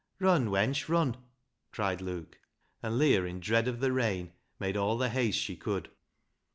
" Run, wench, run !" cried Luke ; and Leah, in dread of the rain, made all the haste she could.